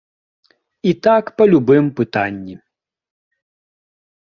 І так па любым пытанні.